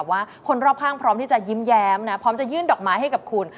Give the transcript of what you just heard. ว่าคนรอบข้างพร้อมที่จะยิ้มแย้มนะพร้อมจะยื่นดอกไม้ให้กับคุณ